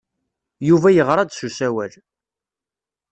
Yuba yeɣra-d s usawal.